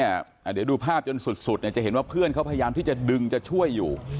กันดูภาพจนสุดจะเห็นเพื่อนที่พยายามดึงและช่วยอยู่